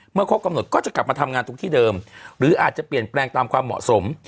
ครบกำหนดก็จะกลับมาทำงานตรงที่เดิมหรืออาจจะเปลี่ยนแปลงตามความเหมาะสม